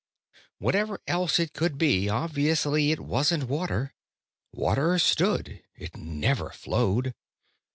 Whatever else it could be, obviously it wasn't water; water stood, it never flowed.